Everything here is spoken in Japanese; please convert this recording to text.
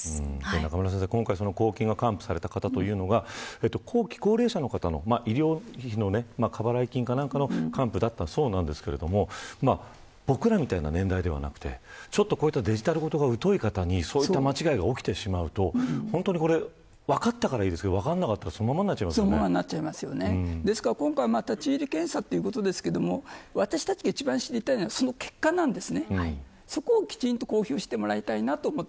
中村先生、今回は公金が還付された人というのは後期高齢者の方の医療費の過払い金か何かの還付だったそうですが僕らみたいな年代ではなくてデジタル事が疎い方にそういった間違いが起きてしまうと本当にこれ、分かったからいいですけど、分からなかったらですから今回、立ち入り検査ということですが私たちが一番知りたいのはその結果です。